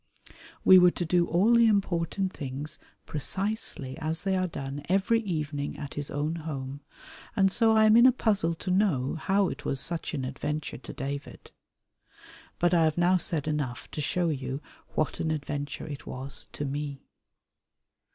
We were to do all the important things precisely as they are done every evening at his own home, and so I am in a puzzle to know how it was such an adventure to David. But I have now said enough to show you what an adventure it was to me.